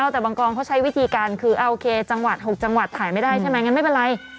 แต่บางกองเขาใช้วิธีการคือโอเคจังหวัด๖จังหวัดถ่ายไม่ได้ใช่ไหมงั้นไม่เป็นไร